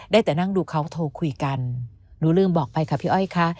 ได้แต่นั่งดูเขาโทรคุยกันหนูลืมบอกไปค่ะพี่อ้อยค่ะ